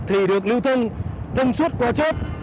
thì được lưu thông thông suốt qua chốt